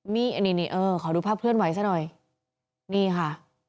นี่นี่ขอดูภาพเพื่อนไว้ซะหน่อยนี่ค่ะ